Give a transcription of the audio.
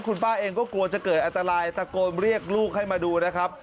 คุณป้าเองก็กลัวจะเกิดอันตรายตะโกนเรียกลูกให้มาดูนะครับ